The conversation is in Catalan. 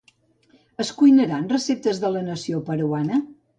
Es cuinaran receptes de la nació peruana?